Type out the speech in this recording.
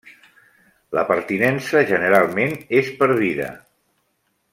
La pertinença generalment és per vida.